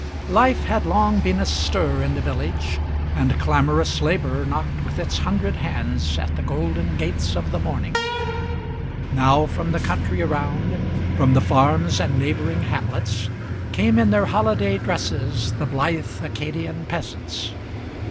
Life had long been astir in the village, and clamorous labor Knocked with its hundred hands at the golden gates of the morning. Now from the country around, from the farms and neighboring hamlets, Came in their holiday dresses the blithe Acadian peasants.